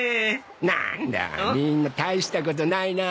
なんだみんな大したことないな。